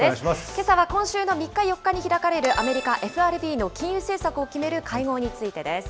けさは今週の３日、４日に開かれる、アメリカ・ＦＲＢの金融政策を決める会合についてです。